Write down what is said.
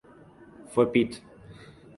Fue Pte.